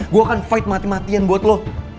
gue akan fight mati matian buat lo